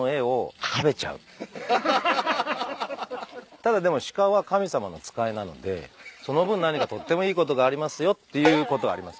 ただでも鹿は神様の使いなのでその分何かとってもいいことがありますよっていうことありますよね？